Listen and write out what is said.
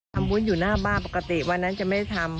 ทำบุญอยู่หน้าบ้านปกติวันนั้นจะไม่ได้ทำ